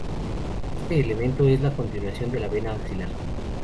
Este elemento es la continuación de la vena axilar.